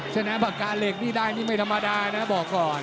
ชนะปากกาเหล็กนี่ได้นี่ไม่ธรรมดานะบอกก่อน